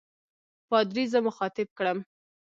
پادري زه مخاطب کړم.